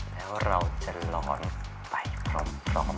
แล้วเราจะล้อนไปพร่อมพร่อมกัน